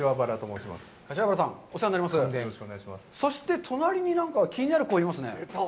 そして、隣に何か気になる子がいますね。